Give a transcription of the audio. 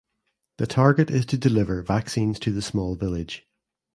The target is to deliver vaccines to the small village.